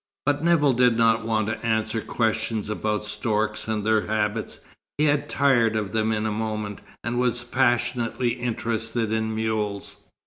But Nevill did not want to answer questions about storks and their habits. He had tired of them in a moment, and was passionately interested in mules.